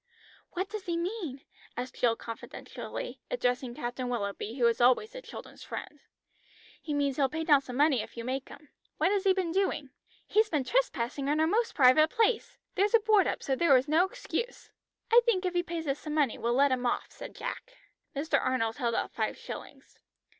"What does he mean?" asked Jill confidentially, addressing Captain Willoughby, who was always the children's friend. "He means he'll pay down some money if you make him. What has he been doing?" "He has been trespassing in our most private place. There's a board up, so there was no excuse." "I think if he pays us some money we'll let him off," said Jack. Mr. Arnold held out five shillings.